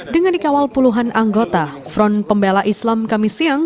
dengan dikawal puluhan anggota front pembela islam kami siang